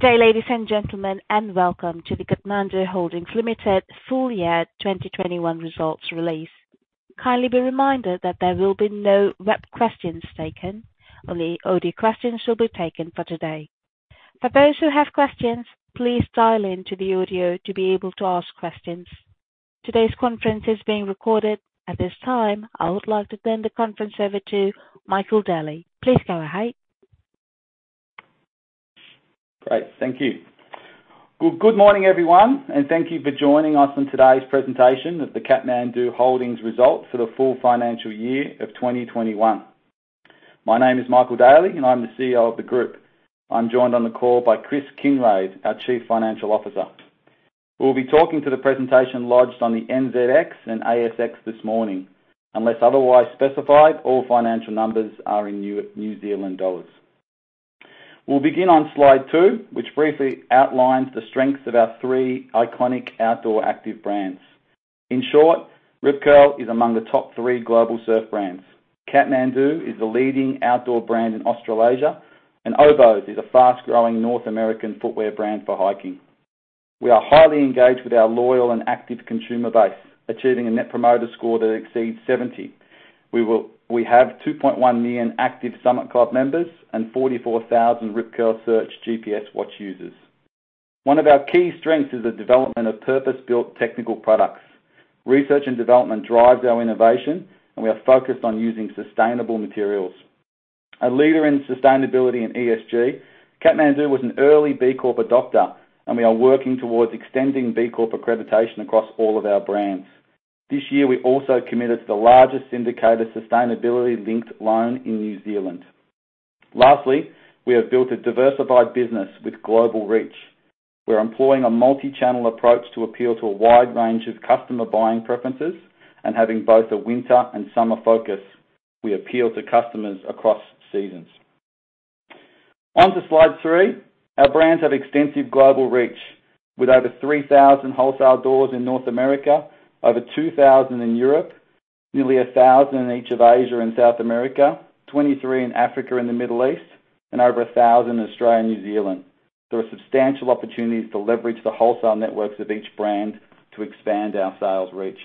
Good day, ladies and gentlemen, welcome to the Kathmandu Holdings Limited Full Year 2021 results release. Kindly be reminded that there will be no web questions taken. Only audio questions will be taken for today. For those who have questions, please dial into the audio to be able to ask questions. Today's conference is being recorded. At this time, I would like to turn the conference over to Michael Daly. Please go ahead. Great. Thank you. Good morning, everyone, and thank you for joining us on today's presentation of the Kathmandu Holdings results for the full financial year of 2021. My name is Michael Daly. I'm the CEO of the group. I'm joined on the call by Chris Kinraid, our chief financial officer, who will be talking to the presentation lodged on the NZX and ASX this morning. Unless otherwise specified, all financial numbers are in New Zealand dollars. We'll begin on slide 2, which briefly outlines the strengths of our three iconic outdoor active brands. In short, Rip Curl is among the top three global surf brands. Kathmandu is the leading outdoor brand in Australasia. Oboz is a fast-growing North American footwear brand for hiking. We are highly engaged with our loyal and active consumer base, achieving a net promoter score that exceeds 70. We have 2.1 million active Summit Club members and 44,000 Rip Curl Search GPS watch users. One of our key strengths is the development of purpose-built technical products. Research and development drives our innovation, and we are focused on using sustainable materials. A leader in sustainability and ESG, Kathmandu was an early B Corp adopter, and we are working towards extending B Corp accreditation across all of our brands. This year, we also committed to the largest syndicated sustainability linked loan in New Zealand. Lastly, we have built a diversified business with global reach. We're employing a multi-channel approach to appeal to a wide range of customer buying preferences, and having both a winter and summer focus, we appeal to customers across seasons. On to slide three. Our brands have extensive global reach, with over 3,000 wholesale doors in North America, over 2,000 in Europe, nearly 1,000 in each of Asia and South America, 23 in Africa and the Middle East, and over 1,000 in Australia and New Zealand. There are substantial opportunities to leverage the wholesale networks of each brand to expand our sales reach.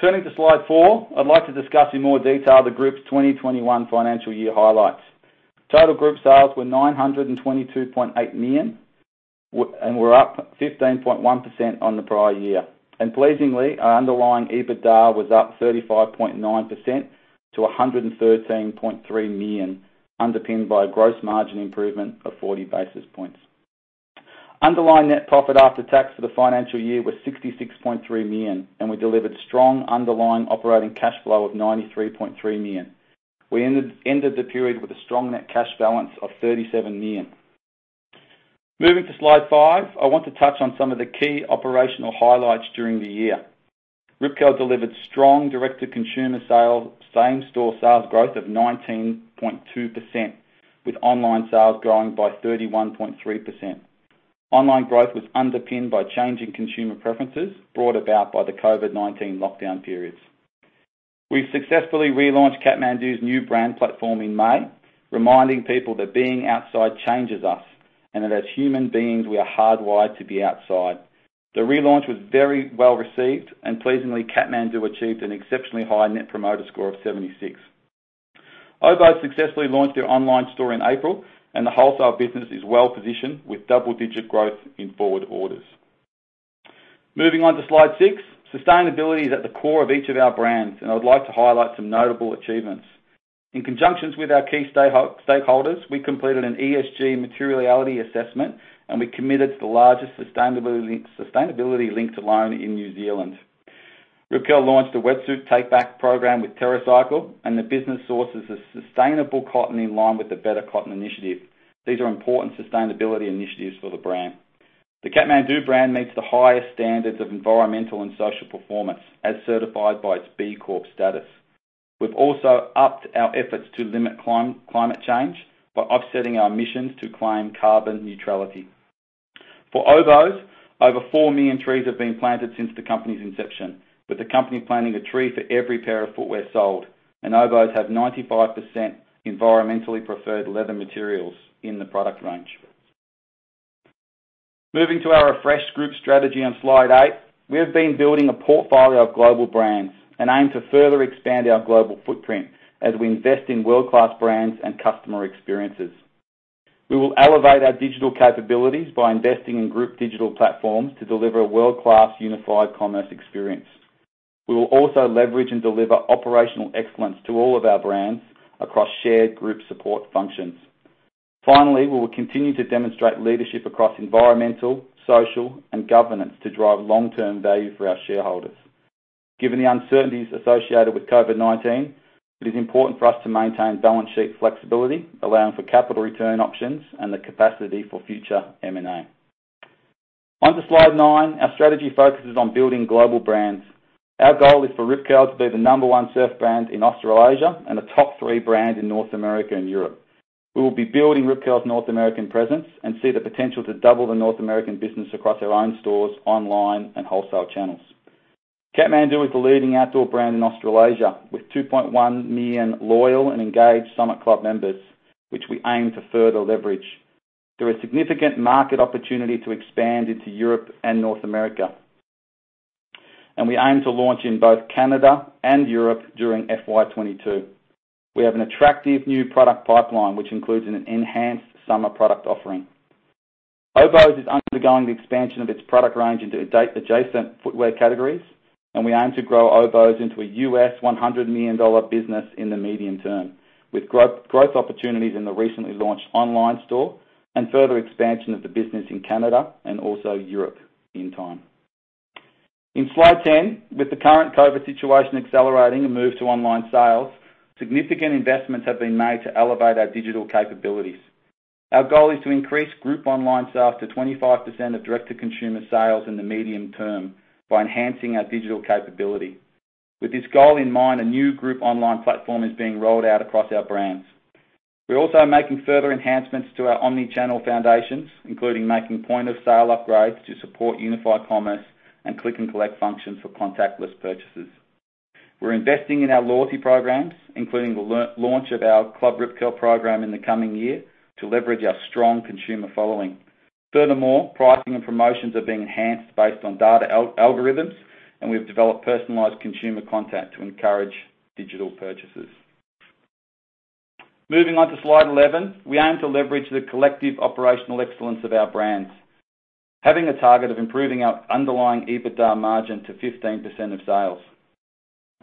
Turning to slide four, I'd like to discuss in more detail the group's 2021 financial year highlights. Total group sales were 922.8 million and were up 15.1% on the prior year. Pleasingly, our underlying EBITDA was up 35.9% to 113.3 million, underpinned by a gross margin improvement of 40 basis points. Underlying net profit after tax for the financial year was 66.3 million, and we delivered strong underlying operating cash flow of 93.3 million. We ended the period with a strong net cash balance of 37 million. Moving to slide five, I want to touch on some of the key operational highlights during the year. Rip Curl delivered strong direct-to-consumer sales, same-store sales growth of 19.2%, with online sales growing by 31.3%. Online growth was underpinned by changing consumer preferences brought about by the COVID-19 lockdown periods. We've successfully relaunched Kathmandu's new brand platform in May, reminding people that being outside changes us, and that as human beings, we are hardwired to be outside. The relaunch was very well-received, and pleasingly, Kathmandu achieved an exceptionally high net promoter score of 76. Oboz successfully launched their online store in April, and the wholesale business is well-positioned, with double-digit growth in forward orders. Moving on to slide six. Sustainability is at the core of each of our brands, and I would like to highlight some notable achievements. In conjunction with our key stakeholders, we completed an ESG materiality assessment. We committed to the largest sustainability linked loan in New Zealand. Rip Curl launched a wetsuit take-back program with TerraCycle. The business sources a sustainable cotton in line with the Better Cotton Initiative. These are important sustainability initiatives for the brand. The Kathmandu brand meets the highest standards of environmental and social performance, as certified by its B Corp status. We've also upped our efforts to limit climate change by offsetting our emissions to claim carbon neutrality. For Oboz, over 4 million trees have been planted since the company's inception, with the company planting a tree for every pair of footwear sold. Oboz have 95% environmentally preferred leather materials in the product range. Moving to our refreshed group strategy on slide 8. We have been building a portfolio of global brands and aim to further expand our global footprint as we invest in world-class brands and customer experiences. We will elevate our digital capabilities by investing in group digital platforms to deliver a world-class unified commerce experience. We will also leverage and deliver operational excellence to all of our brands across shared group support functions. Finally, we will continue to demonstrate leadership across environmental, social, and governance to drive long-term value for our shareholders. Given the uncertainties associated with COVID-19, it is important for us to maintain balance sheet flexibility, allowing for capital return options and the capacity for future M&A. On to slide 9. Our strategy focuses on building global brands. Our goal is for Rip Curl to be the number 1 surf brand in Australasia and a top three brand in North America and Europe. We will be building Rip Curl's North American presence and see the potential to double the North American business across our own stores, online, and wholesale channels. Kathmandu is the leading outdoor brand in Australasia, with 2.1 million loyal and engaged Summit Club members, which we aim to further leverage. There is significant market opportunity to expand into Europe and North America. We aim to launch in both Canada and Europe during FY 2022. We have an attractive new product pipeline, which includes an enhanced summer product offering. Oboz is undergoing the expansion of its product range into adjacent footwear categories, and we aim to grow Oboz into a $100 million business in the medium term, with growth opportunities in the recently launched online store and further expansion of the business in Canada and also Europe in time. In slide 10, with the current COVID situation accelerating a move to online sales, significant investments have been made to elevate our digital capabilities. Our goal is to increase group online sales to 25% of direct-to-consumer sales in the medium term by enhancing our digital capability. With this goal in mind, a new group online platform is being rolled out across our brands. We're also making further enhancements to our omni-channel foundations, including making point-of-sale upgrades to support unified commerce and click-and-collect functions for contactless purchases. We're investing in our loyalty programs, including the launch of our Club Rip Curl program in the coming year to leverage our strong consumer following. Furthermore, pricing and promotions are being enhanced based on data algorithms, and we've developed personalized consumer contact to encourage digital purchases. Moving on to slide 11. We aim to leverage the collective operational excellence of our brands, having a target of improving our underlying EBITDA margin to 15% of sales.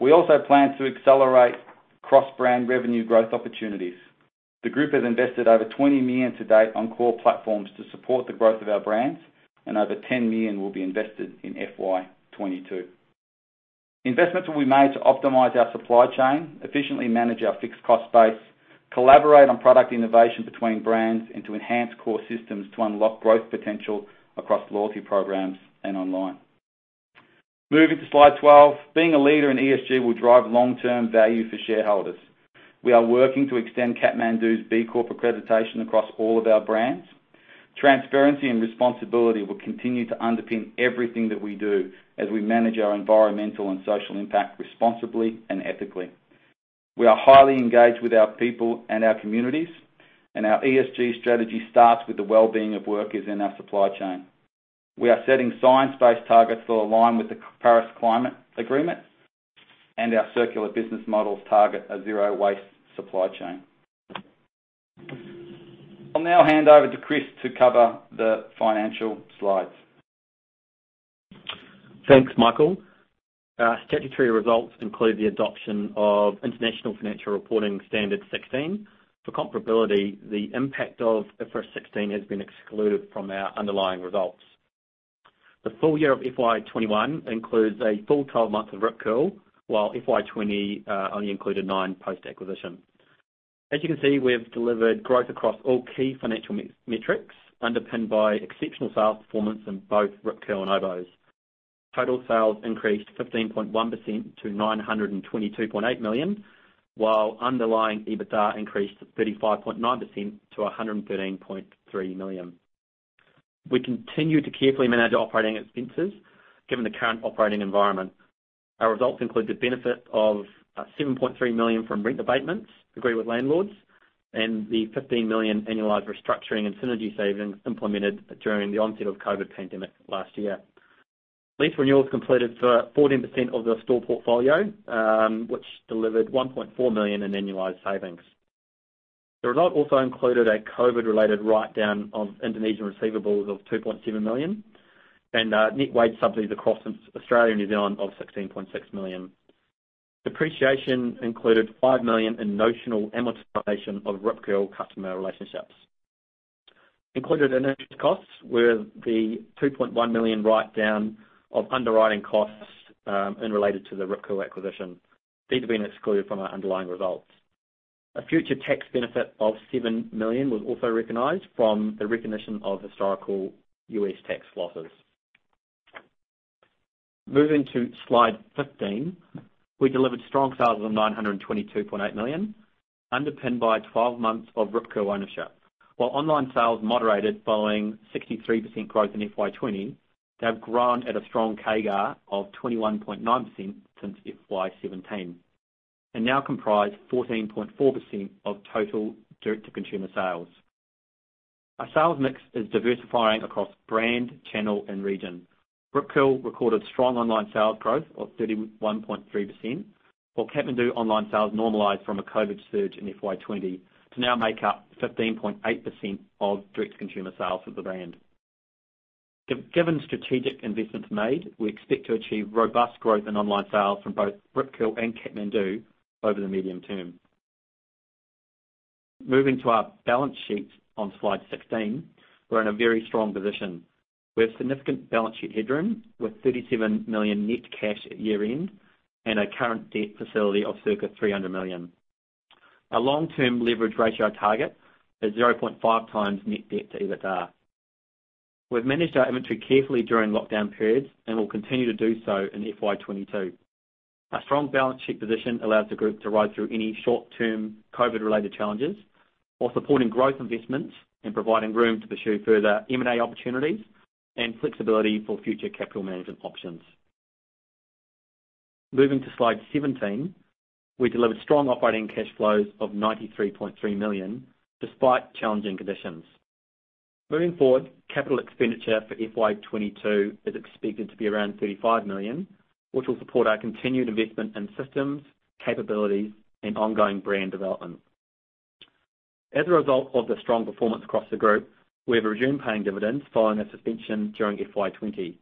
We also plan to accelerate cross-brand revenue growth opportunities. The group has invested over 20 million to date on core platforms to support the growth of our brands, and over 10 million will be invested in FY22. Investments will be made to optimize our supply chain, efficiently manage our fixed cost base, collaborate on product innovation between brands, and to enhance core systems to unlock growth potential across loyalty programs and online. Moving to slide 12. Being a leader in ESG will drive long-term value for shareholders. We are working to extend Kathmandu's B Corp accreditation across all of our brands. Transparency and responsibility will continue to underpin everything that we do as we manage our environmental and social impact responsibly and ethically. We are highly engaged with our people and our communities, and our ESG strategy starts with the well-being of workers in our supply chain. We are setting science-based targets that align with the Paris Climate Agreement, and our circular business models target a zero-waste supply chain. I'll now hand over to Chris to cover the financial slides. Thanks, Michael. Our statutory results include the adoption of International Financial Reporting Standard 16. For comparability, the impact of IFRS 16 has been excluded from our underlying results. The full year of FY21 includes a full 12 months of Rip Curl, while FY20 only included 9 post-acquisition. As you can see, we have delivered growth across all key financial metrics, underpinned by exceptional sales performance in both Rip Curl and Oboz. Total sales increased 15.1% to 922.8 million, while underlying EBITDA increased to 35.9% to 113.3 million. We continue to carefully manage operating expenses, given the current operating environment. Our results include the benefit of 7.3 million from rent abatements agreed with landlords and the 15 million annualized restructuring and synergy savings implemented during the onset of COVID pandemic last year. Lease renewals completed for 14% of the store portfolio, which delivered 1.4 million in annualized savings. The result also included a COVID-related write-down of Indonesian receivables of 2.7 million and net wage subsidies across Australia and New Zealand of 16.6 million. Depreciation included 5 million in notional amortization of Rip Curl customer relationships. Included in these costs were the 2.1 million write-down of underwriting costs and related to the Rip Curl acquisition, these have been excluded from our underlying results. A future tax benefit of 7 million was also recognized from the recognition of historical U.S. tax losses. Moving to slide 15. We delivered strong sales of 922.8 million, underpinned by 12 months of Rip Curl ownership. While online sales moderated following 63% growth in FY 2020, they have grown at a strong CAGR of 21.9% since FY 2017 and now comprise 14.4% of total direct-to-consumer sales. Our sales mix is diversifying across brand, channel and region. Rip Curl recorded strong online sales growth of 31.3%, while Kathmandu online sales normalized from a COVID surge in FY 2020 to now make up 15.8% of direct-to-consumer sales for the brand. Given strategic investments made, we expect to achieve robust growth in online sales from both Rip Curl and Kathmandu over the medium term. Moving to our balance sheet on slide 16. We're in a very strong position. We have significant balance sheet headroom with 37 million net cash at year-end and a current debt facility of circa 300 million. Our long-term leverage ratio target is 0.5 times net debt to EBITDA. We've managed our inventory carefully during lockdown periods and will continue to do so in FY 2022. Our strong balance sheet position allows the group to ride through any short-term COVID-related challenges while supporting growth investments and providing room to pursue further M&A opportunities and flexibility for future capital management options. Moving to slide 17. We delivered strong operating cash flows of 93.3 million, despite challenging conditions. Moving forward, capital expenditure for FY 2022 is expected to be around 35 million, which will support our continued investment in systems, capabilities, and ongoing brand development. As a result of the strong performance across the group, we have resumed paying dividends following a suspension during FY 2020.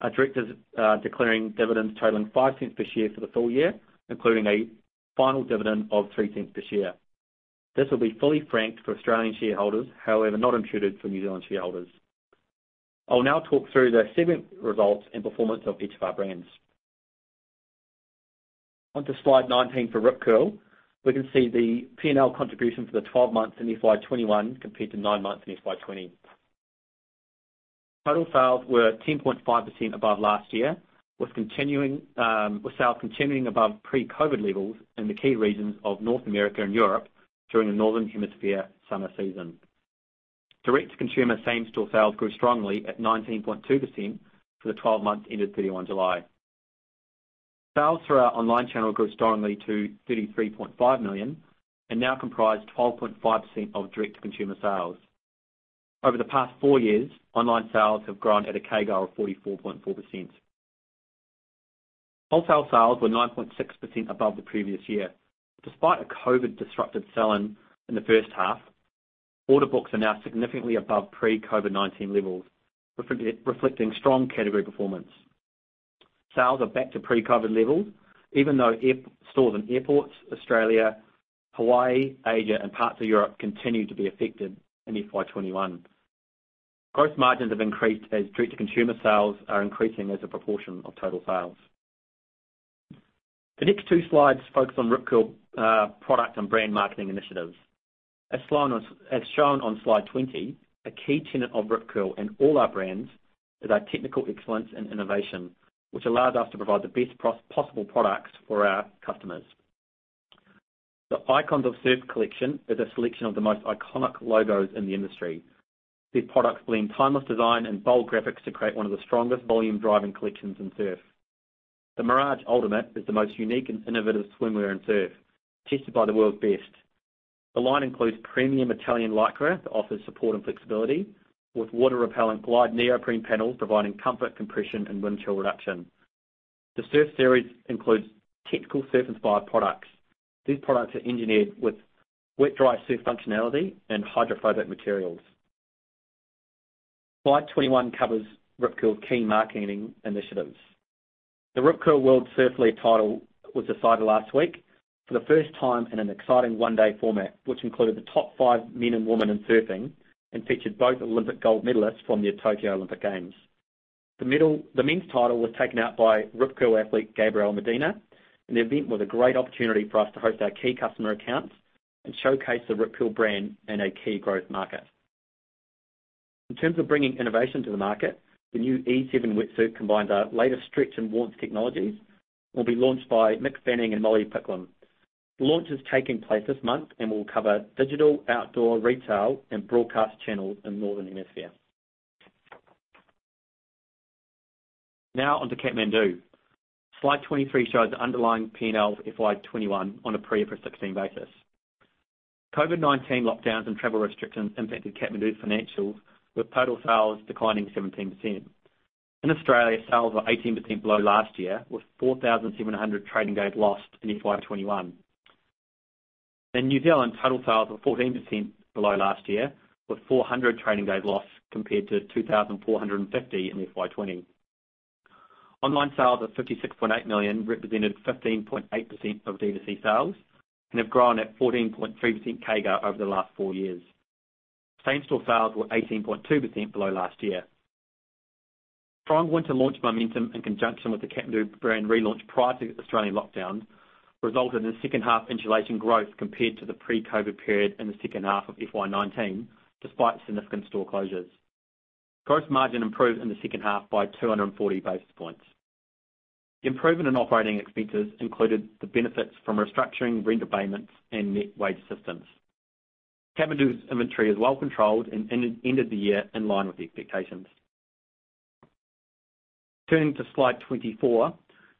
Our directors are declaring dividends totaling 0.05 per share for the full year, including a final dividend of 0.03 per share. This will be fully franked for Australian shareholders, however, not imputed for New Zealand shareholders. I'll now talk through the segment results and performance of each of our brands. On to slide 19 for Rip Curl. We can see the P&L contribution for the 12 months in FY 2021 compared to 9 months in FY 2020. Total sales were 10.5% above last year, with sales continuing above pre-COVID levels in the key regions of North America and Europe during the Northern Hemisphere summer season. Direct-to-consumer same-store sales grew strongly at 19.2% for the 12 months ending July 31. Sales through our online channel grew strongly to 33.5 million, and now comprise 12.5% of direct-to-consumer sales. Over the past four years, online sales have grown at a CAGR of 44.4%. Wholesale sales were 9.6% above the previous year. Despite a COVID-disrupted sell-in in the first half, order books are now significantly above pre-COVID-19 levels, reflecting strong category performance. Sales are back to pre-COVID levels even though stores in airports, Australia, Hawaii, Asia, and parts of Europe continue to be affected in FY21. Gross margins have increased as direct-to-consumer sales are increasing as a proportion of total sales. The next two slides focus on Rip Curl product and brand marketing initiatives. As shown on slide 20, a key tenet of Rip Curl and all our brands is our technical excellence and innovation, which allows us to provide the best possible products for our customers. The Icons of Surf collection is a selection of the most iconic logos in the industry. These products blend timeless design and bold graphics to create one of the strongest volume-driving collections in surf. The Mirage Ultimate is the most unique and innovative swimwear in surf, tested by the world's best. The line includes premium Italian Lycra that offers support and flexibility with water-repellent Glide neoprene panels providing comfort, compression, and windchill reduction. The Surf Series includes technical surf-inspired products. These products are engineered with wet/dry surf functionality and hydrophobic materials. Slide 21 covers Rip Curl's key marketing initiatives. The Rip Curl World Surf League title was decided last week for the first time in an exciting one-day format, which included the top five men and women in surfing and featured both Olympic gold medalists from the Tokyo Olympic Games. The men's title was taken out by Rip Curl athlete, Gabriel Medina, the event was a great opportunity for us to host our key customer accounts and showcase the Rip Curl brand in a key growth market. In terms of bringing innovation to the market, the new E7 wetsuit combines our latest stretch and warmth technologies, will be launched by Mick Fanning and Molly Picklum. The launch is taking place this month and will cover digital, outdoor, retail, and broadcast channels in Northern Hemisphere. On to Kathmandu. Slide 23 shows the underlying P&L of FY 2021 on a pre-IFRS 16 basis. COVID-19 lockdowns and travel restrictions impacted Kathmandu's financials, with total sales declining 17%. In Australia, sales were 18% below last year, with 4,700 trading days lost in FY 2021. In New Zealand, total sales were 14% below last year, with 400 trading days lost compared to 2,450 in FY 2020. Online sales of 56.8 million represented 15.8% of D2C sales and have grown at 14.3% CAGR over the last four years. Same-store sales were 18.2% below last year. Strong winter launch momentum in conjunction with the Kathmandu brand relaunch prior to Australian lockdowns resulted in second-half insulation growth compared to the pre-COVID period in the second half of FY 2019, despite significant store closures. Gross margin improved in the second half by 240 basis points. The improvement in operating expenses included the benefits from restructuring rent abatements and net wage assistance. Kathmandu's inventory is well controlled and ended the year in line with the expectations. Turning to slide 24.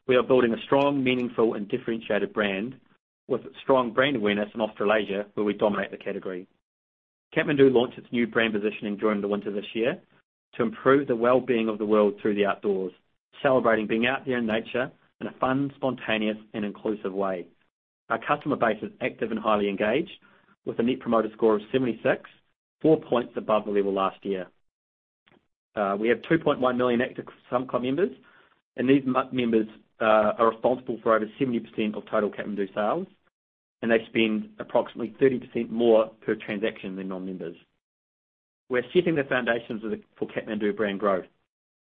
We are building a strong, meaningful, and differentiated brand with strong brand awareness in Australasia, where we dominate the category. Kathmandu launched its new brand positioning during the winter this year to improve the well-being of the world through the outdoors, celebrating being out there in nature in a fun, spontaneous, and inclusive way. Our customer base is active and highly engaged with a net promoter score of 76, four points above the level last year. We have 2.1 million active Summit Club members, and these members are responsible for over 70% of total Kathmandu sales, and they spend approximately 30% more per transaction than non-members. We're setting the foundations for Kathmandu brand growth.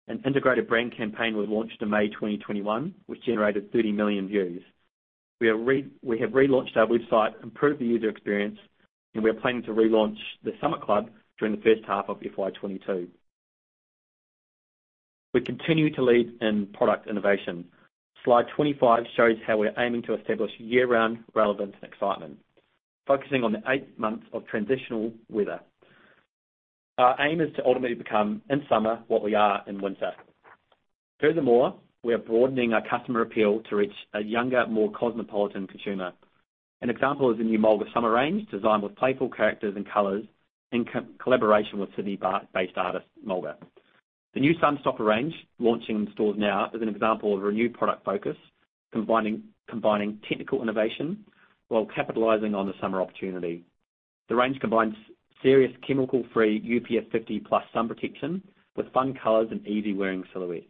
An integrated brand campaign was launched in May 2021, which generated 30 million views. We have relaunched our website, improved the user experience, and we are planning to relaunch the Summit Club during the first half of FY 2022. We continue to lead in product innovation. Slide 25 shows how we're aiming to establish year-round relevance and excitement, focusing on the eight months of transitional weather. Our aim is to ultimately become in summer what we are in winter. Furthermore, we are broadening our customer appeal to reach a younger, more cosmopolitan consumer. An example is the new Mulga summer range, designed with playful characters and colors in collaboration with Sydney-based artist, Mulga. The new Sunstopper range, launching in stores now, is an example of a renewed product focus, combining technical innovation while capitalizing on the summer opportunity. The range combines serious chemical-free UPF 50+ sun protection with fun colors and easy-wearing silhouettes.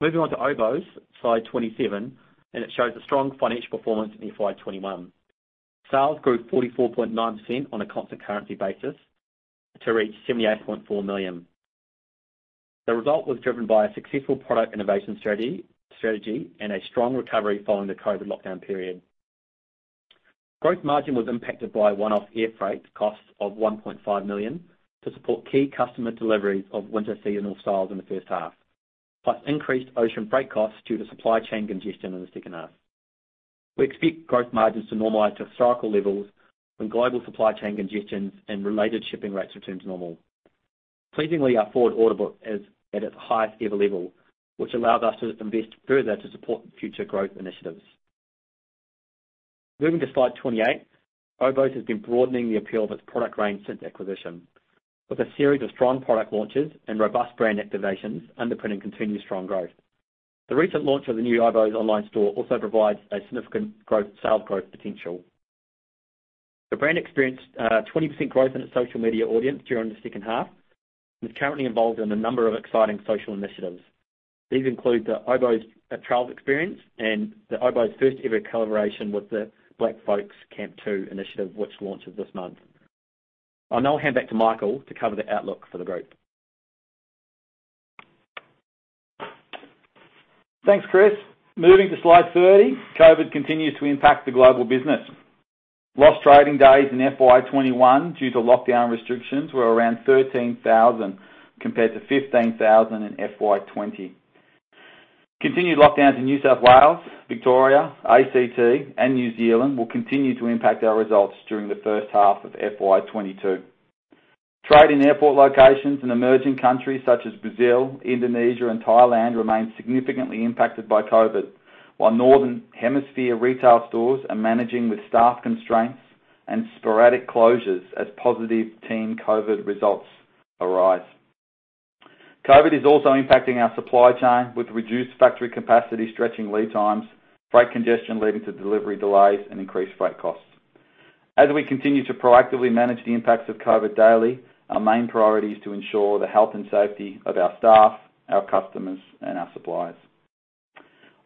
Moving on to Oboz, slide 27, and it shows a strong financial performance in FY 2021. Sales grew 44.9% on a constant currency basis to reach 78.4 million. The result was driven by a successful product innovation strategy and a strong recovery following the COVID lockdown period. Gross margin was impacted by a one-off air freight cost of 1.5 million to support key customer deliveries of winter seasonal styles in the first half, plus increased ocean freight costs due to supply chain congestion in the second half. We expect gross margins to normalize to historical levels when global supply chain congestions and related shipping rates return to normal. Pleasingly, our forward order book is at its highest-ever level, which allows us to invest further to support future growth initiatives. Moving to Slide 28. Oboz has been broadening the appeal of its product range since acquisition, with a series of strong product launches and robust brand activations underpinning continued strong growth. The recent launch of the new Oboz online store also provides a significant sales growth potential. The brand experienced a 20% growth in its social media audience during the second half and is currently involved in a number of exciting social initiatives. These include the Oboz Trail Experience and the Oboz first-ever collaboration with the Black Folks Camp Too initiative, which launches this month. I'll now hand back to Michael to cover the outlook for the group. Thanks, Chris. Moving to Slide 30. COVID continues to impact the global business. Lost trading days in FY 2021 due to lockdown restrictions were around 13,000, compared to 15,000 in FY 2020. Continued lockdowns in New South Wales, Victoria, ACT, and New Zealand will continue to impact our results during the first half of FY 2022. Trade in airport locations in emerging countries such as Brazil, Indonesia, and Thailand remain significantly impacted by COVID, while northern hemisphere retail stores are managing with staff constraints and sporadic closures as positive team COVID results arise. COVID is also impacting our supply chain, with reduced factory capacity stretching lead times, freight congestion leading to delivery delays, and increased freight costs. As we continue to proactively manage the impacts of COVID daily, our main priority is to ensure the health and safety of our staff, our customers, and our suppliers.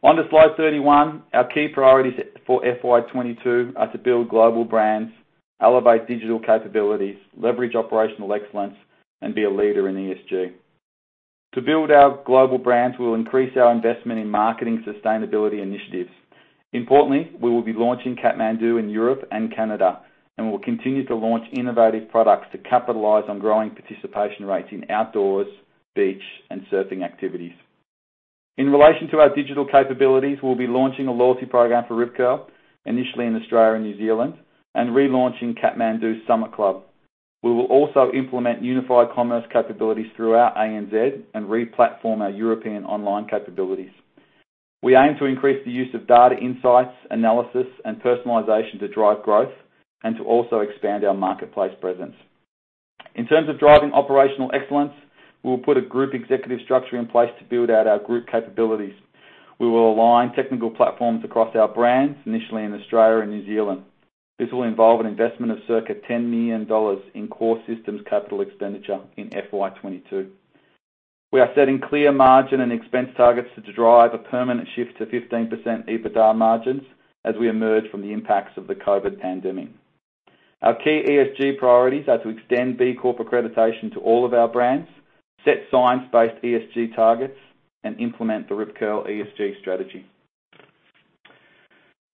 On to Slide 31. Our key priorities for FY22 are to build global brands, elevate digital capabilities, leverage operational excellence, and be a leader in ESG. To build our global brands will increase our investment in marketing sustainability initiatives. Importantly, we will be launching Kathmandu in Europe and Canada, and will continue to launch innovative products to capitalize on growing participation rates in outdoors, beach, and surfing activities. In relation to our digital capabilities, we'll be launching a loyalty program for Rip Curl, initially in Australia and New Zealand, and relaunching Kathmandu's Summit Club. We will also implement unified commerce capabilities throughout ANZ and re-platform our European online capabilities. We aim to increase the use of data insights, analysis, and personalization to drive growth and to also expand our marketplace presence. In terms of driving operational excellence, we will put a group executive structure in place to build out our group capabilities. We will align technical platforms across our brands, initially in Australia and New Zealand. This will involve an investment of circa 10 million dollars in core systems capital expenditure in FY22. We are setting clear margin and expense targets to drive a permanent shift to 15% EBITDA margins as we emerge from the impacts of the COVID pandemic. Our key ESG priorities are to extend B Corp accreditation to all of our brands, set science-based ESG targets, and implement the Rip Curl ESG strategy.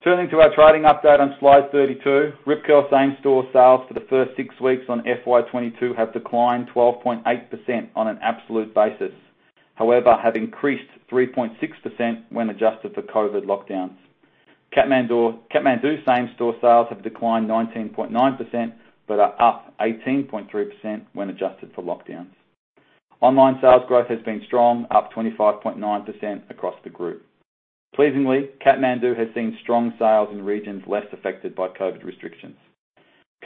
Turning to our trading update on Slide 32. Rip Curl same-store sales for the first six weeks on FY22 have declined 12.8% on an absolute basis. However, have increased 3.6% when adjusted for COVID lockdowns. Kathmandu same-store sales have declined 19.9% but are up 18.3% when adjusted for lockdowns. Online sales growth has been strong, up 25.9% across the group. Pleasingly, Kathmandu has seen strong sales in regions less affected by COVID restrictions.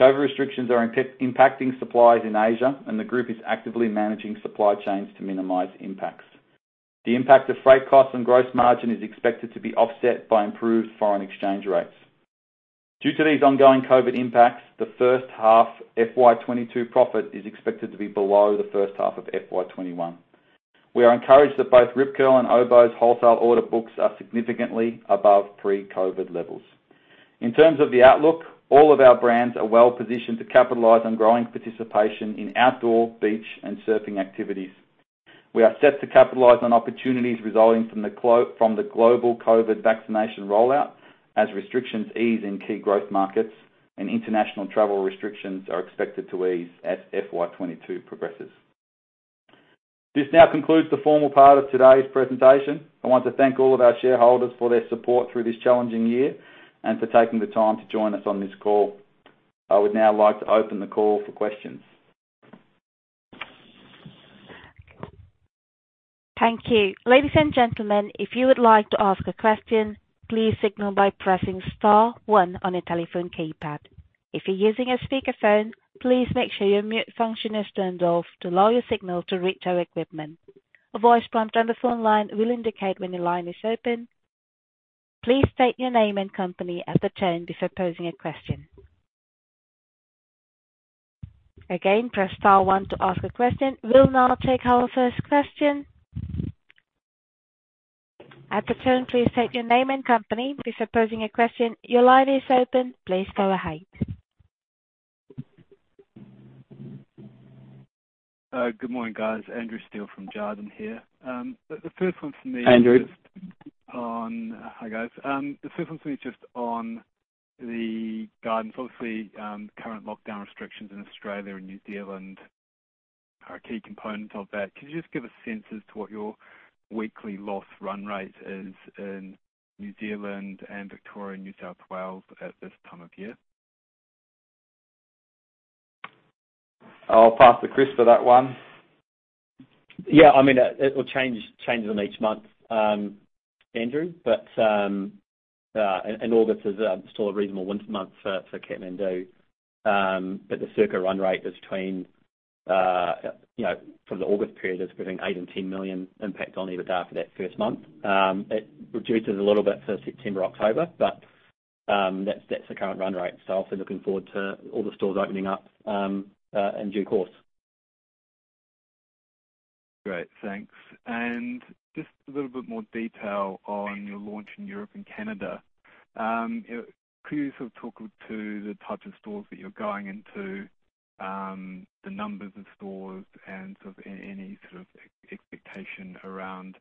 COVID restrictions are impacting supplies in Asia, and the group is actively managing supply chains to minimize impacts. The impact of freight costs on gross margin is expected to be offset by improved foreign exchange rates. Due to these ongoing COVID impacts, the first half FY 2022 profit is expected to be below the first half of FY 2021. We are encouraged that both Rip Curl and Oboz wholesale order books are significantly above pre-COVID levels. In terms of the outlook, all of our brands are well-positioned to capitalize on growing participation in outdoor, beach, and surfing activities. We are set to capitalize on opportunities resulting from the global COVID vaccination rollout as restrictions ease in key growth markets, and international travel restrictions are expected to ease as FY 2022 progresses. This now concludes the formal part of today's presentation. I want to thank all of our shareholders for their support through this challenging year and for taking the time to join us on this call. I would now like to open the call for questions. Thank you. Ladies and gentlemen, if you would like to ask a question, please signal by pressing star one on your telephone keypad. If you're using a speakerphone, please make sure your mute function is turned off to allow your signal to reach our equipment. A voice prompt on the phone line will indicate when your line is open. Please state your name and company at the tone before posing a question. Again, press star one to ask a question. We'll now take our first question. At the tone, please state your name and company before posing a question. Your line is open. Please go ahead. Good morning, guys. Andrew Steele from Jarden here. The first one from me is. Andrew. Hi, guys. The first one for me is just on the guidance. Obviously, current lockdown restrictions in Australia and New Zealand are a key component of that. Could you just give a sense as to what your weekly loss run rate is in New Zealand and Victoria and New South Wales at this time of year? I'll pass to Chris for that one. Yeah. It will change in each month, Andrew Steele. August is still a reasonable winter month for Kathmandu. The circa run rate for the August period is between 8 million-10 million impact on EBITDA for that first month. It reduces a little bit for September, October, but that's the current run rate. Obviously looking forward to all the stores opening up in due course. Great, thanks. Just a little bit more detail on your launch in Europe and Canada. Could you talk to the types of stores that you're going into, the numbers of stores, and any sort of expectation around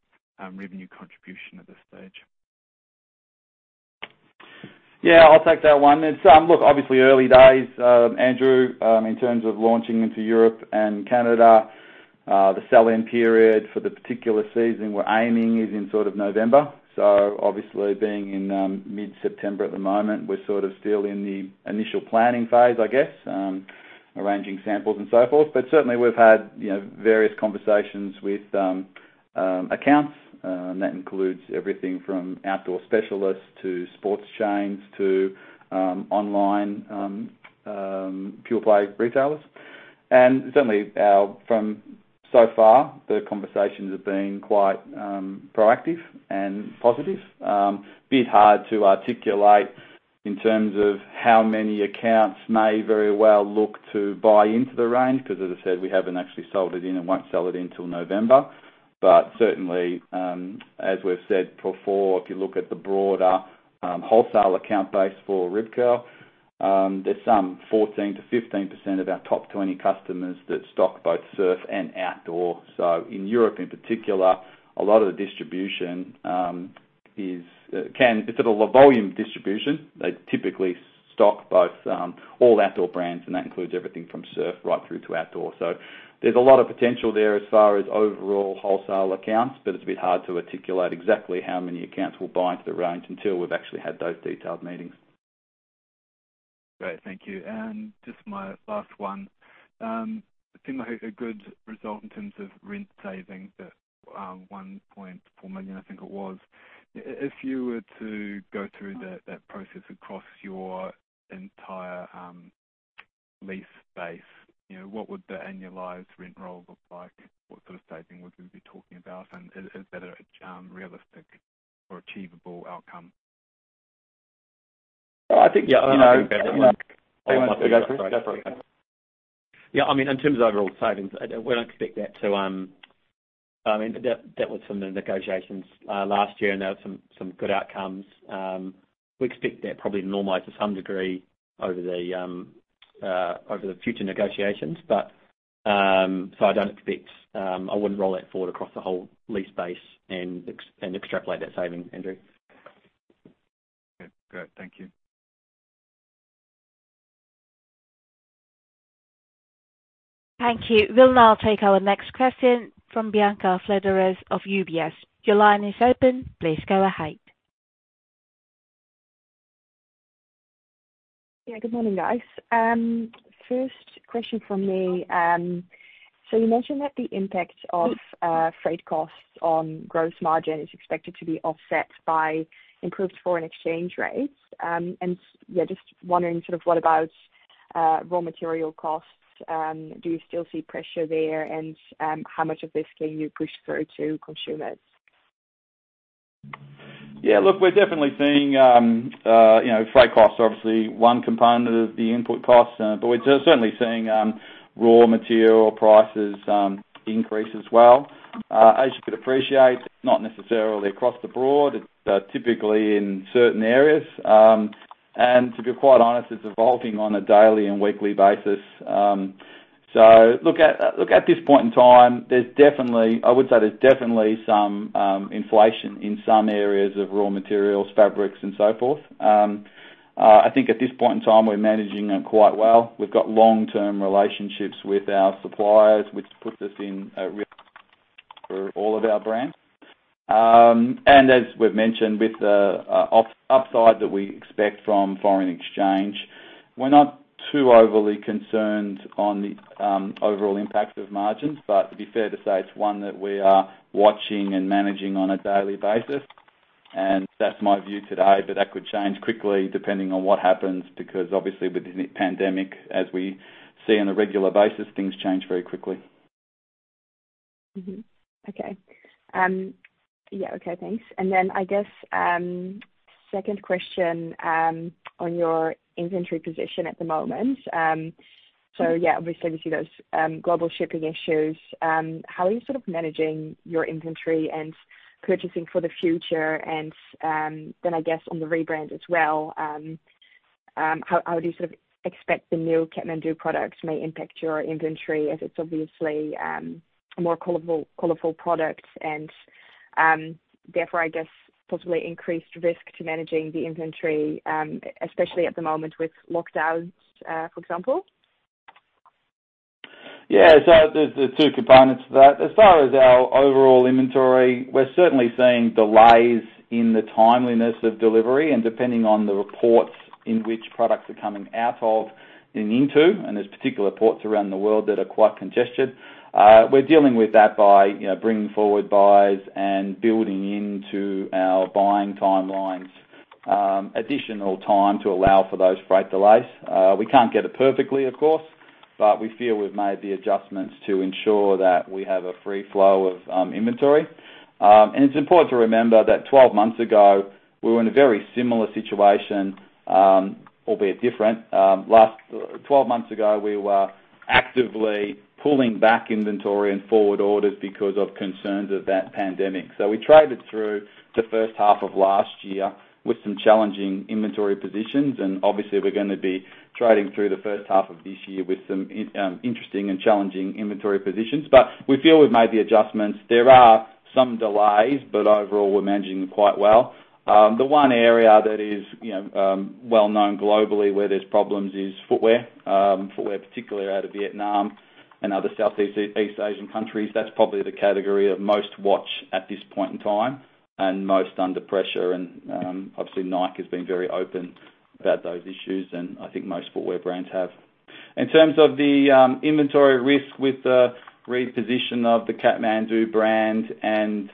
revenue contribution at this stage? Yeah, I'll take that one. Look, obviously early days, Andrew Steele, in terms of launching into Europe and Canada. The sell-in period for the particular season we're aiming is in November. Obviously being in mid-September at the moment, we're still in the initial planning phase, I guess, arranging samples and so forth. Certainly, we've had various conversations with accounts, that includes everything from outdoor specialists to sports chains to online pure-play retailers. Certainly from, so far, the conversations have been quite proactive and positive. A bit hard to articulate in terms of how many accounts may very well look to buy into the range, because as I said, we haven't actually sold it in and won't sell it until November. Certainly, as we've said before, if you look at the broader wholesale account base for Rip Curl, there's some 14%-15% of our top 20 customers that stock both surf and outdoor. In Europe in particular, a lot of the distribution is at a low volume distribution. They typically stock all outdoor brands, and that includes everything from surf right through to outdoor. There's a lot of potential there as far as overall wholesale accounts, but it's a bit hard to articulate exactly how many accounts will buy into the range until we've actually had those detailed meetings. Great. Thank you. Just my last one. It seemed like a good result in terms of rent savings, that 1.4 million, I think it was. If you were to go through that process across your entire lease base, what would the annualized rent roll look like? What sort of saving would we be talking about? Is that a realistic or achievable outcome? I think Yeah, I'm happy to take that one. Go for it, Chris. Yeah, in terms of overall savings. That was from the negotiations last year. There were some good outcomes. We expect that probably to normalize to some degree over the future negotiations. I wouldn't roll that forward across the whole lease base and extrapolate that saving, Andrew. Okay, great. Thank you. Thank you. We'll now take our next question from Bianca Fledderus of UBS. Your line is open. Please go ahead. Good morning, guys. First question from me. You mentioned that the impact of freight costs on gross margin is expected to be offset by improved foreign exchange rates. Just wondering, what about raw material costs? Do you still see pressure there? How much of this can you push through to consumers? Yeah, look, we're definitely seeing freight costs are obviously one component of the input costs. We're certainly seeing raw material prices increase as well. As you could appreciate, not necessarily across the board, it's typically in certain areas. To be quite honest, it's evolving on a daily and weekly basis. Look, at this point in time, I would say there's definitely some inflation in some areas of raw materials, fabrics, and so forth. I think at this point in time, we're managing it quite well. We've got long-term relationships with our suppliers, which puts us in a for all of our brands. As we've mentioned, with the upside that we expect from foreign exchange, we're not too overly concerned on the overall impact of margins. To be fair to say, it's one that we are watching and managing on a daily basis, and that's my view today. That could change quickly, depending on what happens, because obviously with the pandemic, as we see on a regular basis, things change very quickly. Okay. Yeah. Okay, thanks. I guess, second question on your inventory position at the moment. Obviously we see those global shipping issues. How are you managing your inventory and purchasing for the future? I guess on the rebrand as well, how do you expect the new Kathmandu products may impact your inventory as it's obviously a more colorful product and therefore, I guess, possibly increased risk to managing the inventory, especially at the moment with lockdowns, for example? There's two components to that. As far as our overall inventory, we're certainly seeing delays in the timeliness of delivery, and depending on the reports in which products are coming out of and into, and there's particular ports around the world that are quite congested. We're dealing with that by bringing forward buys and building into our buying timelines, additional time to allow for those freight delays. We can't get it perfectly, of course, but we feel we've made the adjustments to ensure that we have a free flow of inventory. It's important to remember that 12 months ago, we were in a very similar situation, albeit different. 12 months ago, we were actively pulling back inventory and forward orders because of concerns of that pandemic. We traded through the first half of last year with some challenging inventory positions, and obviously we're going to be trading through the first half of this year with some interesting and challenging inventory positions. We feel we've made the adjustments. There are some delays, but overall, we're managing them quite well. The one area that is well-known globally where there's problems is footwear. Footwear, particularly out of Vietnam and other Southeast Asian countries, that's probably the category of most watch at this point in time, and most under pressure. Obviously Nike has been very open about those issues, and I think most footwear brands have. In terms of the inventory risk with the reposition of the Kathmandu brand and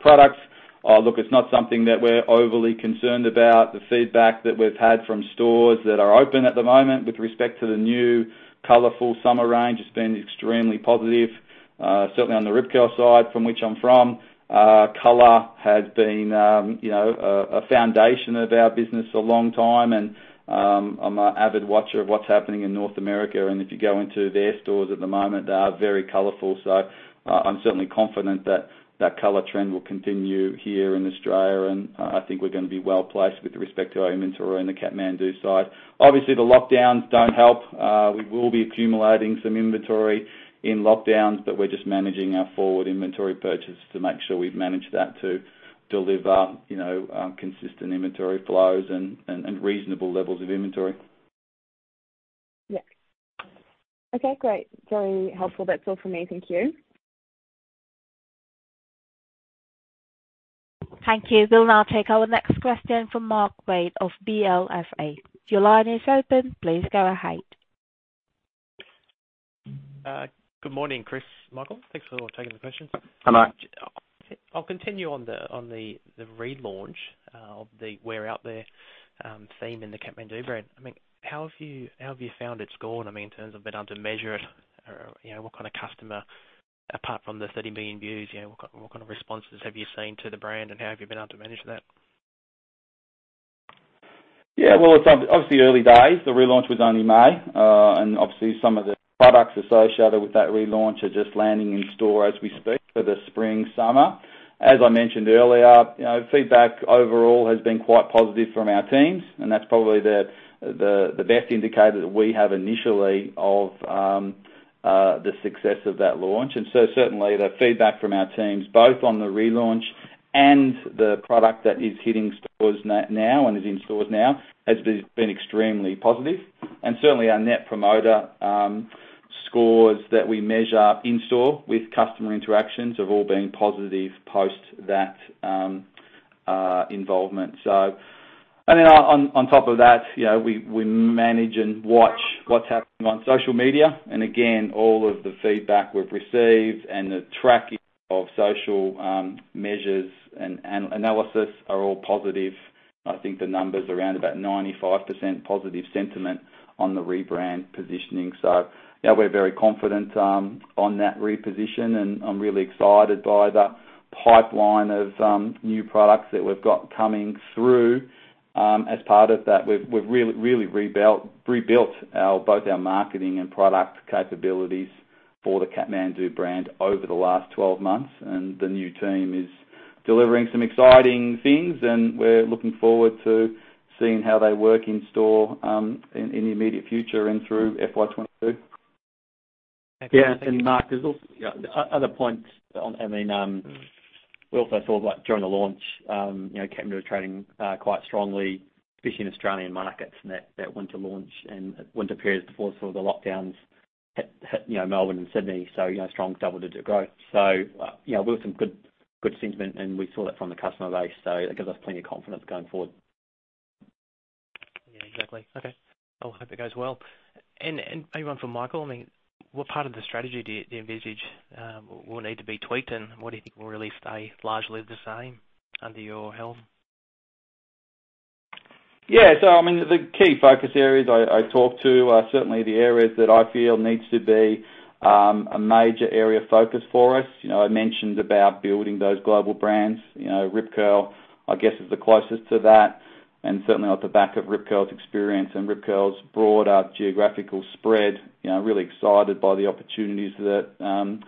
products, look, it's not something that we're overly concerned about. The feedback that we've had from stores that are open at the moment with respect to the new colorful summer range has been extremely positive. Certainly on the Rip Curl side, from which I'm from, color has been a foundation of our business a long time, and I'm an avid watcher of what's happening in North America. If you go into their stores at the moment, they are very colorful. I'm certainly confident that that color trend will continue here in Australia, and I think we're going to be well-placed with respect to our inventory on the Kathmandu side. Obviously, the lockdowns don't help. We will be accumulating some inventory in lockdowns, but we're just managing our forward inventory purchase to make sure we've managed that to deliver consistent inventory flows and reasonable levels of inventory. Yeah. Okay, great. Very helpful. That's all from me. Thank you. Thank you. We'll now take our next question from Mark Wade of CLSA. Your line is open. Please go ahead. Good morning, Chris, Michael. Thanks for taking the questions. Hi, Mark. I'll continue on the relaunch of the We're Out There theme in the Kathmandu brand. How have you found it's gone in terms of been able to measure it? What kind of customer, apart from the 30 million views, what kind of responses have you seen to the brand, and how have you been able to manage that? Well, it's obviously early days. The relaunch was only May, obviously some of the products associated with that relaunch are just landing in store as we speak for the spring/summer. As I mentioned earlier, feedback overall has been quite positive from our teams, that's probably the best indicator that we have initially of the success of that launch. Certainly the feedback from our teams, both on the relaunch and the product that is hitting stores now and is in stores now, has been extremely positive. Certainly our net promoter scores that we measure in-store with customer interactions have all been positive post that involvement. On top of that, we manage and watch what's happening on social media. Again, all of the feedback we've received and the tracking of social measures and analysis are all positive. I think the number's around about 95% positive sentiment on the rebrand positioning. Yeah, we're very confident on that reposition, and I'm really excited by the pipeline of new products that we've got coming through. As part of that we've really rebuilt both our marketing and product capabilities for the Kathmandu brand over the last 12 months, and the new team is delivering some exciting things, and we're looking forward to seeing how they work in-store in the immediate future and through FY 2022. Yeah, Mark, there's also other points. We also thought during the launch, Kathmandu was trading quite strongly, especially in Australian markets, and that winter launch and winter periods before some of the lockdowns hit Melbourne and Sydney. Strong double-digit growth. With some good sentiment, and we saw that from the customer base, so that gives us plenty of confidence going forward. Yeah, exactly. Okay. Well, I hope it goes well. Maybe one for Michael, what part of the strategy do you envisage will need to be tweaked, and what do you think will really stay largely the same under your helm? The key focus areas I talked to are certainly the areas that I feel needs to be a major area of focus for us. I mentioned about building those global brands. Rip Curl, I guess, is the closest to that, and certainly off the back of Rip Curl's experience and Rip Curl's broader geographical spread. Really excited by the opportunities that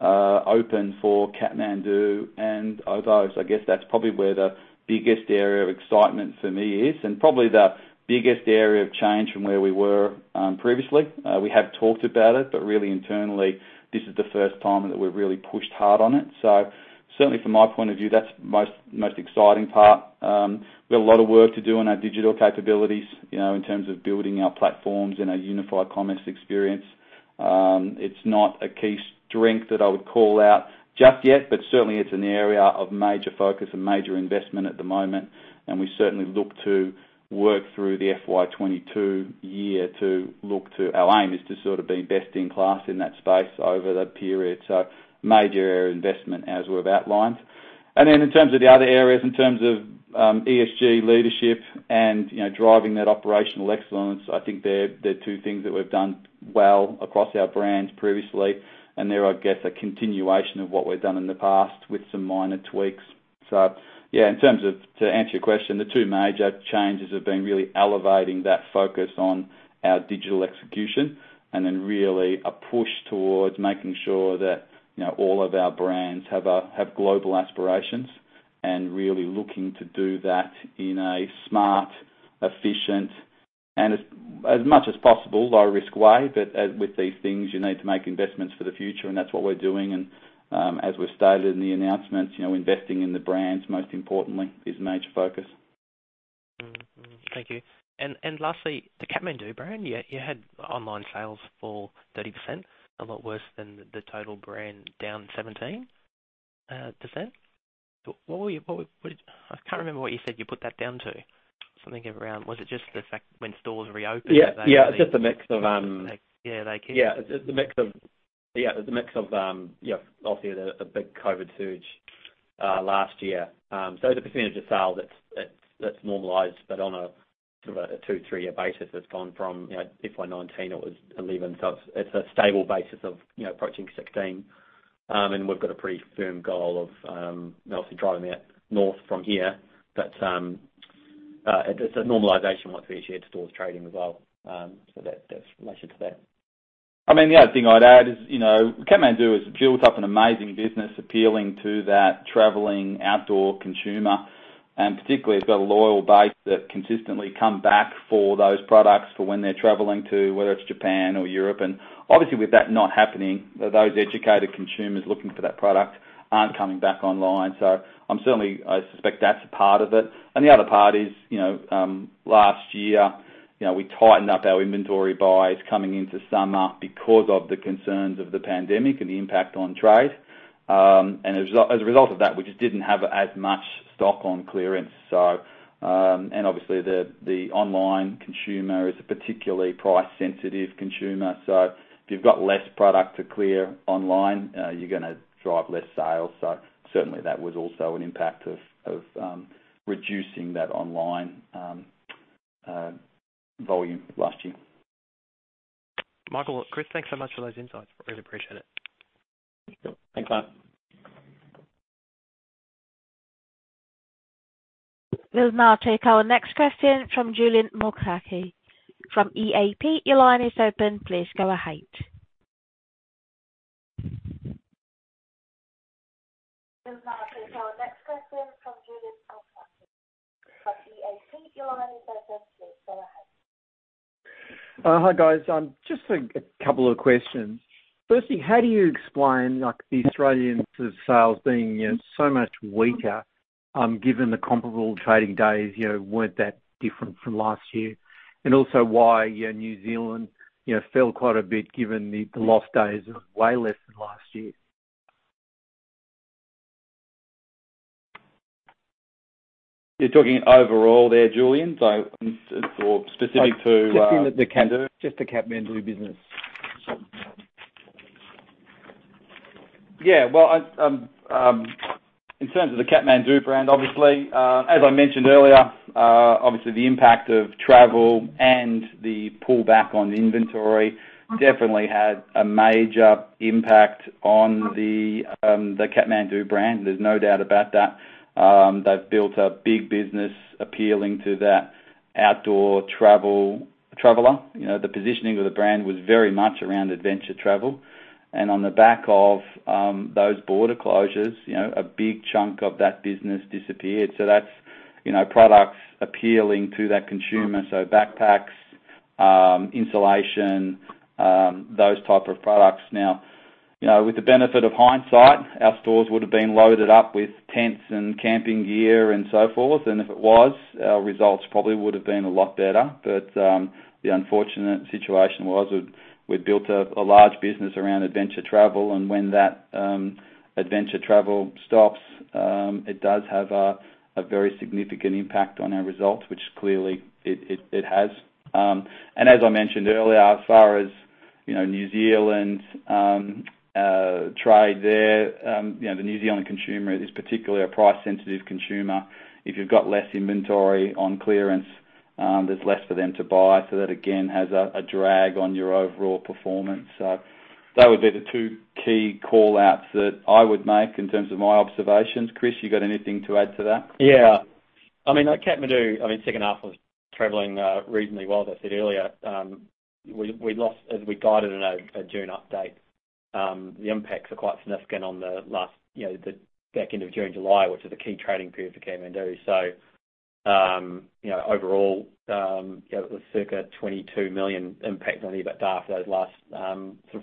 open for Kathmandu and Oboz. I guess that's probably where the biggest area of excitement for me is, and probably the biggest area of change from where we were previously. We have talked about it, but really internally, this is the first time that we've really pushed hard on it. Certainly from my point of view, that's the most exciting part. We've got a lot of work to do on our digital capabilities, in terms of building our platforms and our unified commerce experience. It's not a key strength that I would call out just yet, but certainly it's an area of major focus and major investment at the moment, and we certainly look to work through the FY22 year. Our aim is to be best in class in that space over the period. Major area of investment as we've outlined. In terms of the other areas, in terms of ESG leadership and driving that operational excellence, I think they're two things that we've done well across our brands previously, and they're, I guess, a continuation of what we've done in the past with some minor tweaks. Yeah, to answer your question, the two major changes have been really elevating that focus on our digital execution, and then really a push towards making sure that all of our brands have global aspirations and really looking to do that in a smart, efficient, and as much as possible, low-risk way. As with these things, you need to make investments for the future, and that's what we're doing. As we've stated in the announcements, investing in the brands, most importantly, is a major focus. Thank you. Lastly, the Kathmandu brand, you had online sales for 30%, a lot worse than the total brand, down 17%. I can't remember what you said you put that down to. Was it just the fact when stores reopened that they. Yeah, it's just a mix of. Yeah, they keep Yeah, it's a mix of obviously the big COVID surge last year. The percentage of sales, that's normalized, but on a two, three-year basis, it's gone from FY 2019, it was 11. It's a stable basis of approaching 16. We've got a pretty firm goal of obviously driving that north from here. It's a normalization once we actually had stores trading as well. That's related to that. The other thing I'd add is, Kathmandu has built up an amazing business appealing to that traveling outdoor consumer, and particularly has got a loyal base that consistently come back for those products for when they're traveling to whether it's Japan or Europe. Obviously with that not happening, those educated consumers looking for that product aren't coming back online. Certainly, I suspect that's a part of it. The other part is, last year, we tightened up our inventory buys coming into summer because of the concerns of the pandemic and the impact on trade. As a result of that, we just didn't have as much stock on clearance. Obviously the online consumer is a particularly price-sensitive consumer. If you've got less product to clear online, you're gonna drive less sales. Certainly, that was also an impact of reducing that online volume last year. Michael Daly, Chris Kinraid, thanks so much for those insights. Really appreciate it. Thanks, Mark. We'll now take our next question from Julian Mulcahy from E&P. Your line is open. Please go ahead. We'll now take our next question from Julian Mulcahy from E&P. Your line is open. Please go ahead. Hi, guys. Just two questions. Firstly, how do you explain the Australians' sales being so much weaker, given the comparable trading days weren't that different from last year? Also why New Zealand fell quite a bit given the lost days are way less than last year? You're talking overall there, Julian? Specific to. Just the Kathmandu business. Yeah. In terms of the Kathmandu brand, obviously, as I mentioned earlier, the impact of travel and the pullback on inventory definitely had a major impact on the Kathmandu brand. There's no doubt about that. They've built a big business appealing to that outdoor traveler. The positioning of the brand was very much around adventure travel, and on the back of those border closures, a big chunk of that business disappeared. That's products appealing to that consumer. Backpacks, insulation, those type of products. With the benefit of hindsight, our stores would've been loaded up with tents and camping gear and so forth. If it was, our results probably would've been a lot better. The unfortunate situation was we'd built a large business around adventure travel, and when that adventure travel stops, it does have a very significant impact on our results, which clearly it has. As I mentioned earlier, as far as New Zealand trade there, the New Zealand consumer is particularly a price-sensitive consumer. If you've got less inventory on clearance, there's less for them to buy. That again, has a drag on your overall performance. That would be the two key call-outs that I would make in terms of my observations. Chris, you got anything to add to that? Yeah. Kathmandu, second half was traveling reasonably well, as I said earlier. We lost as we guided in a June update. The impacts are quite significant on the back end of June, July, which is a key trading period for Kathmandu. Overall, it was circa 22 million impact on EBITDA for those last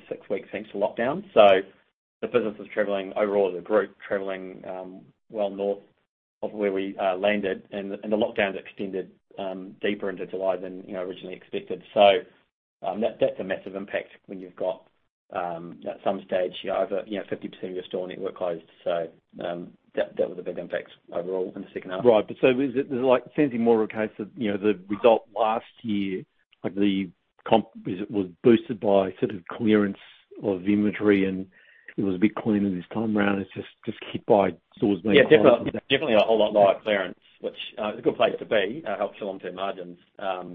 six weeks thanks to lockdown. The business was traveling overall, the group traveling, well north of where we landed and the lockdown extended deeper into July than originally expected. That's a massive impact when you've got at some stage over 50% of your store network closed. That was a big impact overall in the second half. Right. Is it like more of a case that the result last year, like the comp was boosted by sort of clearance of inventory and it was a bit cleaner this time around? It's just hit by stores being closed? Yeah, definitely, a whole lot lower clearance, which is a good place to be, helps your long-term margins. Got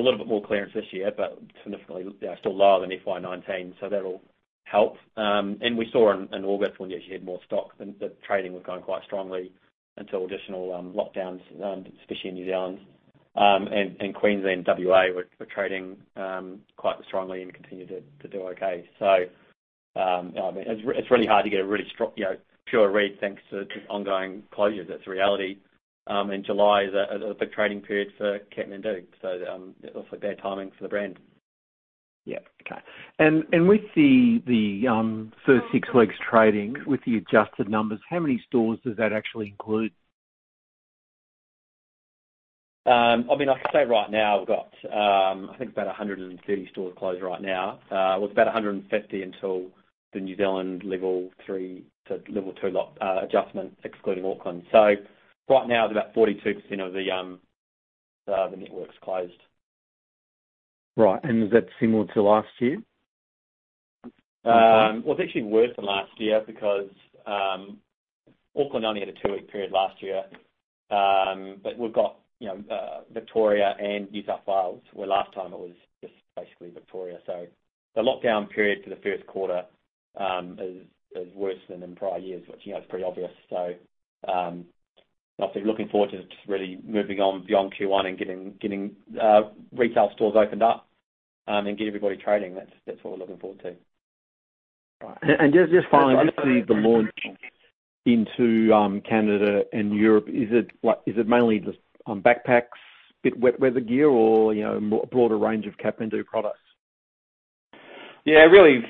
a little bit more clearance this year, but significantly still lower than FY 2019, so that'll help. We saw in August when we actually had more stock that trading was going quite strongly until additional lockdowns, especially in New Zealand. Queensland and W.A. were trading quite strongly and continue to do okay. It's really hard to get a really strong, pure read thanks to ongoing closures. That's the reality. July is a big trading period for Kathmandu, so it's also bad timing for the brand. Yeah. Okay. With the first six weeks trading with the adjusted numbers, how many stores does that actually include? I can say right now we've got, I think it's about 130 stores closed right now. It was about 150 until the New Zealand level three to level two lock- adjustment, excluding Auckland. Right now it's about 42% of the network's closed. Right. Is that similar to last year? Well, it's actually worse than last year because Auckland only had a two week period last year. We've got Victoria and New South Wales where last time it was just basically Victoria. The lockdown period for the 1st quarter is worse than in prior years, which is pretty obvious. Obviously looking forward to just really moving on beyond Q1 and getting retail stores opened up, and get everybody trading. That's what we're looking forward to. Right. Just finally, the launch into Canada and Europe, is it mainly just on backpacks, bit wet weather gear or broader range of Kathmandu products? Really,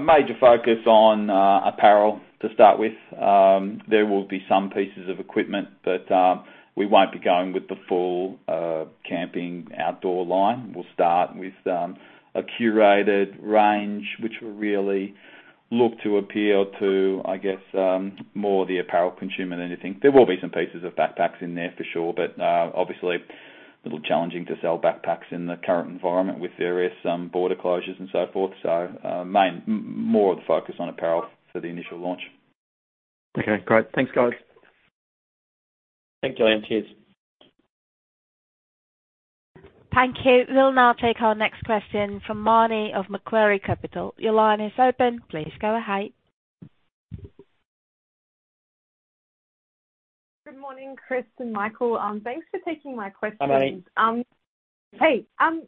major focus on apparel to start with. There will be some pieces of equipment, but, we won't be going with the full camping outdoor line. We'll start with a curated range, which will really look to appeal to, I guess, more the apparel consumer than anything. There will be some pieces of backpacks in there for sure, but, obviously a little challenging to sell backpacks in the current environment with various border closures and so forth. Main, more of the focus on apparel for the initial launch. Okay. Great. Thanks, guys. Thank you. Cheers. Thank you. We'll now take our next question from Marni of Macquarie Capital. Good morning, Chris and Michael. Thanks for taking my questions. Hi, Marni. Hey. I just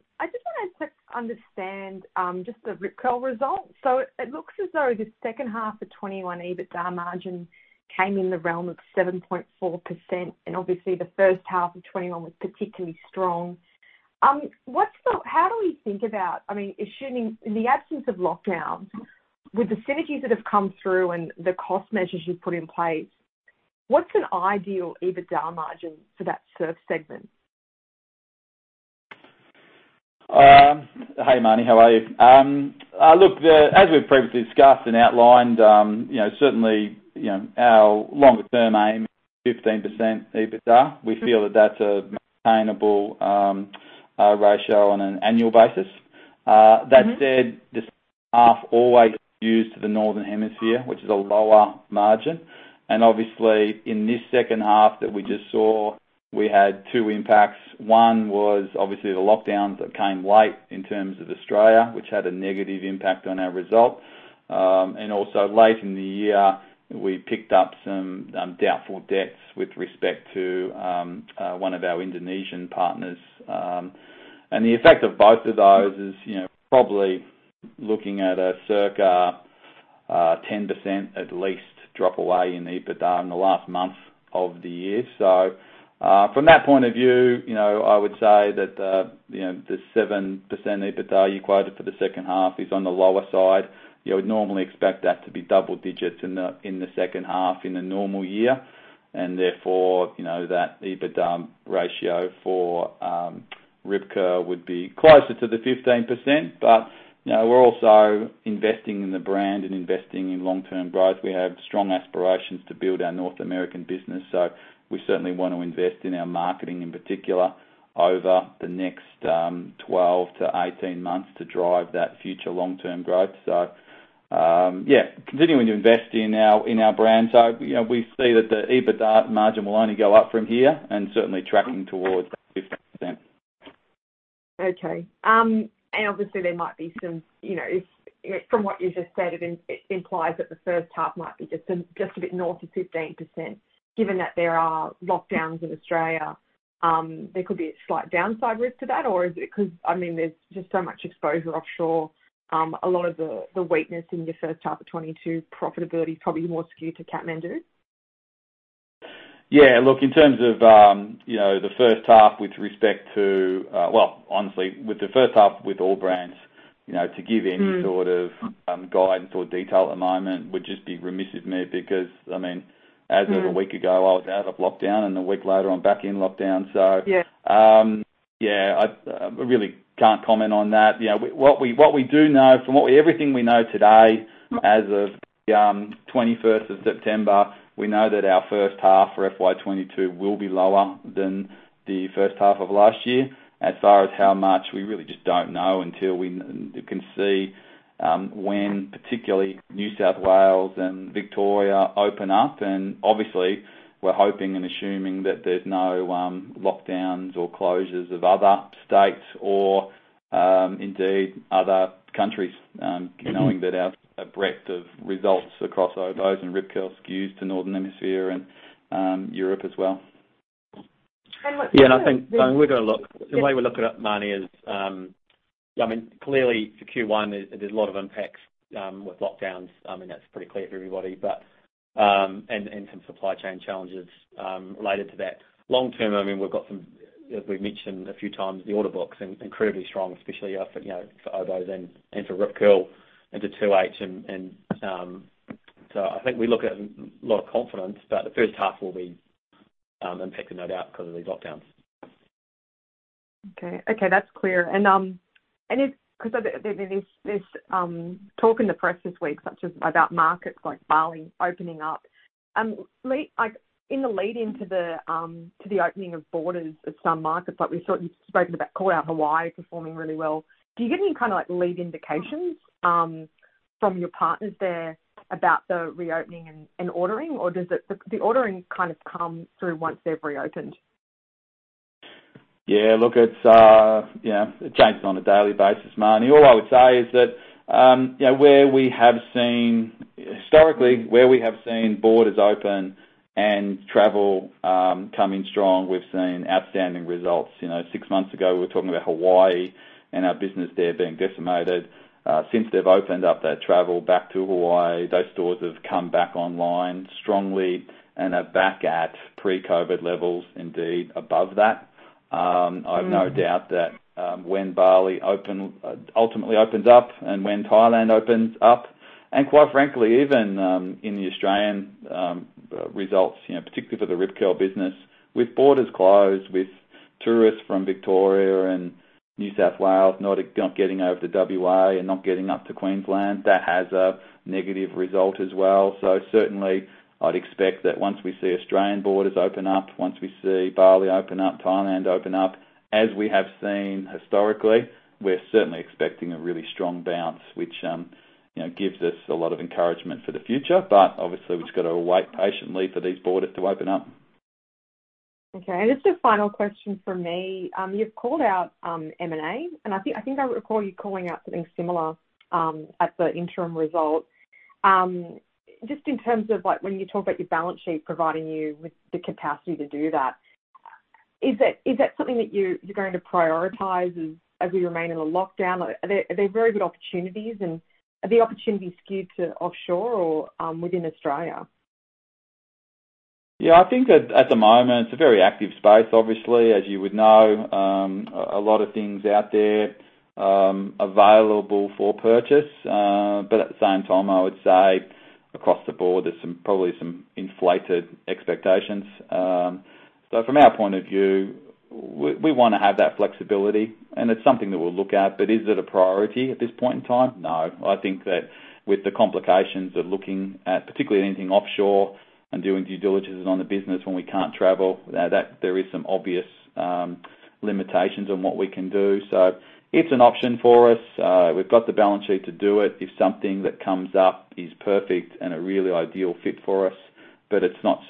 wanted to understand, just the Rip Curl results. It looks as though the second half of 2021 EBITDA margin came in the realm of 7.4%, and obviously the first half of 2021 was particularly strong. How do we think about, assuming in the absence of lockdowns, with the synergies that have come through and the cost measures you've put in place, what's an ideal EBITDA margin for that surf segment? Hey, Marni. How are you? Look, as we've previously discussed and outlined, certainly, our longer-term aim is 15% EBITDA. We feel that that's a maintainable ratio on an annual basis. That said, the surf half always views to the Northern Hemisphere, which is a lower margin. Obviously in this second half that we just saw, we had two impacts. One was obviously the lockdowns that came late in terms of Australia, which had a negative impact on our result. Also late in the year, we picked up some doubtful debts with respect to one of our Indonesian partners. The effect of both of those is probably looking at a circa 10%, at least, drop away in EBITDA in the last month of the year. From that point of view, I would say that, the 7% EBITDA you quoted for the second half is on the lower side. You would normally expect that to be double digits in the second half in a normal year. Therefore, that EBITDA ratio for Rip Curl would be closer to the 15%. We're also investing in the brand and investing in long-term growth. We have strong aspirations to build our North American business. We certainly want to invest in our marketing, in particular, over the next 12-18 months to drive that future long-term growth. Continuing to invest in our brand. We see that the EBITDA margin will only go up from here and certainly tracking towards that 15%. Okay. Obviously there might be. From what you just said, it implies that the first half might be just a bit north of 15%, given that there are lockdowns in Australia. There could be a slight downside risk to that. Is it because there's just so much exposure offshore, a lot of the weakness in your first half of 2022 profitability is probably more skewed to Kathmandu? Well, honestly, with the first half with all brands, to give any sort of guidance or detail at the moment would just be remiss of me because, as of a week ago, I was out of lockdown and a week later I'm back in lockdown. Yeah. Yeah. I really can't comment on that. What we do know, from everything we know today, as of 21st of September, we know that our first half for FY 2022 will be lower than the first half of last year. As far as how much, we really just don't know until we can see when, particularly New South Wales and Victoria open up, and obviously we're hoping and assuming that there's no lockdowns or closures of other states or indeed other countries, knowing that our breadth of results across Oboz and Rip Curl skews to Northern Hemisphere and Europe as well. And what Yeah. I think the way we look at it, Marni, is clearly for Q1, there's a lot of impacts with lockdowns. That's pretty clear for everybody. Some supply chain challenges related to that. Long term, we've got some, as we've mentioned a few times, the order books incredibly strong, especially for Oboz and for Rip Curl into 2H and so I think we look at it with a lot of confidence. The first half will be impacted, no doubt, because of these lockdowns. Okay. That's clear. There's talk in the press this week, such as about markets like Bali opening up. In the lead into the opening of borders of some markets, like we saw you've spoken about, called out Hawaii performing really well. Do you give any lead indications from your partners there about the reopening and ordering, or does the ordering come through once they've reopened? Yeah. Look, it changes on a daily basis, Marni. All I would say is that, historically, where we have seen borders open and travel coming strong, we've seen outstanding results. Six months ago, we were talking about Hawaii and our business there being decimated. Since they've opened up their travel back to Hawaii, those stores have come back online strongly and are back at pre-COVID levels, indeed above that. I've no doubt that when Bali ultimately opens up and when Thailand opens up, and quite frankly, even in the Australian results, particularly for the Rip Curl business, with borders closed, with tourists from Victoria and New South Wales not getting over to WI and not getting up to Queensland, that has a negative result as well. Certainly, I'd expect that once we see Australian borders open up, once we see Bali open up, Thailand open up, as we have seen historically, we're certainly expecting a really strong bounce, which gives us a lot of encouragement for the future. Obviously, we've just got to wait patiently for these borders to open up. Okay. Just a final question from me. You've called out M&A, and I think I recall you calling out something similar at the interim results. Just in terms of when you talk about your balance sheet providing you with the capacity to do that, is that something that you're going to prioritize as we remain in a lockdown? Are there very good opportunities, and are the opportunities skewed to offshore or within Australia? I think at the moment, it's a very active space, obviously, as you would know. A lot of things out there available for purchase. At the same time, I would say across the board, there's probably some inflated expectations. From our point of view, we want to have that flexibility, and it's something that we'll look at. Is it a priority at this point in time? No. I think that with the complications of looking at, particularly anything offshore and doing due diligence on the business when we can't travel, there is some obvious limitations on what we can do. It's an option for us. We've got the balance sheet to do it if something that comes up is perfect and a really ideal fit for us. It's not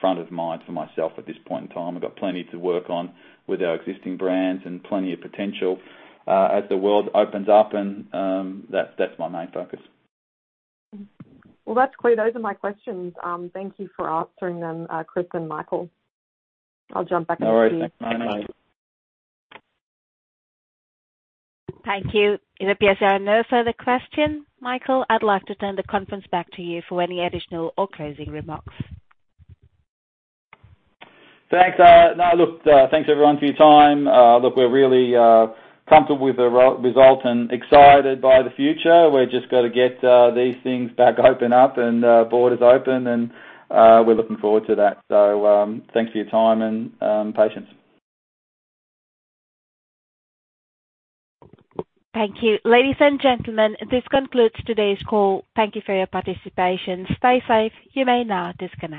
front of mind for myself at this point in time. We've got plenty to work on with our existing brands and plenty of potential as the world opens up, and that's my main focus. Well, that's clear. Those are my questions. Thank you for answering them, Chris and Michael. All right. Thanks, Marni. Thank you. It appears there are no further questions. Michael, I’d like to turn the conference back to you for any additional or closing remarks. Thanks. No, look, thanks everyone for your time. Look, we're really comfortable with the results and excited by the future. We've just got to get these things back open up and borders open, and we're looking forward to that. Thanks for your time and patience. Thank you. Ladies and gentlemen, this concludes today's call. Thank you for your participation. Stay safe. You may now disconnect.